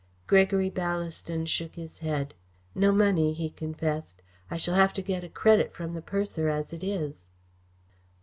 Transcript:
Gregory Ballaston shook his head. "No money," he confessed. "I shall have to get a credit from the purser as it is."